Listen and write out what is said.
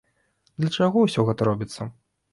Для чаго ўсё гэта робіцца?